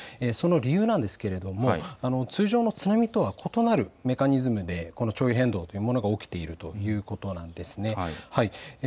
その理由なんですけれども通常の津波とは異なるメカニズムでこの潮位変動というものが起きているということなんです。